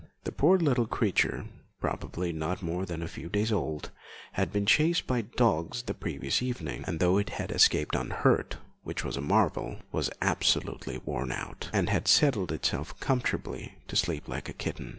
The poor little creature probably not more than a few days old had been chased by dogs the previous evening, and though it had escaped unhurt, which was a marvel, was absolutely worn out, and had settled itself comfortably to sleep like a kitten.